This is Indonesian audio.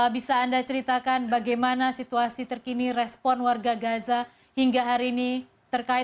bisa anda ceritakan bagaimana situasi terkini respon warga gaza hingga hari ini